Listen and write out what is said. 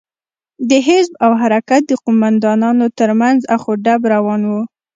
د حزب او حرکت د قومندانانو تر منځ اخ و ډب روان و.